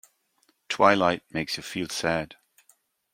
Twilight makes you feel sad.